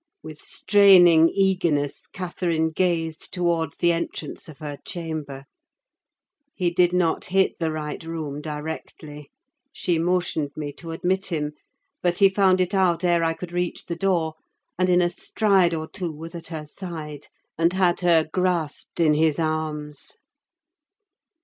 With straining eagerness Catherine gazed towards the entrance of her chamber. He did not hit the right room directly: she motioned me to admit him, but he found it out ere I could reach the door, and in a stride or two was at her side, and had her grasped in his arms.